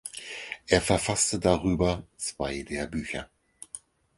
Er verfasste darüber zwei Lehrbücher.